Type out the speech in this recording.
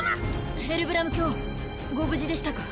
ヘルブラム卿ご無事でしたか。